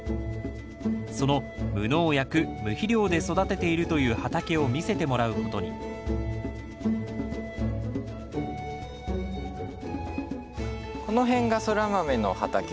その無農薬・無肥料で育てているという畑を見せてもらうことにこの辺がソラマメの畑です。